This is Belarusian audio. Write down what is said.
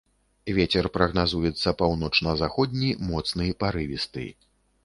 Вецер прагназуецца паўночна-заходні, моцны парывісты.